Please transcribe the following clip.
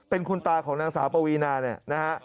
เป็นคุณตาของนางสาวปวีนาเนี่ยนะฮะ